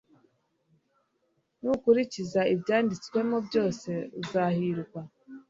nukurikiza ibyanditswemo byose uzahirwa